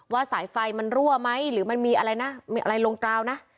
ว่าสายไฟมันรั่วไหมหรือมันมีอะไรลงกราวนะ